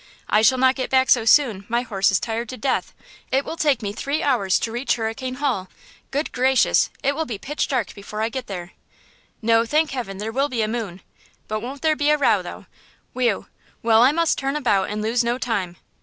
I shall not get back so soon; my horse is tired to death; it will take me three hours to reach Hurricane Hall. Good gracious! it will be pitch dark before I get there. No, thank heaven, there will be a moon. But won't there be a row though? Whew! Well, I must turn about and lose no time.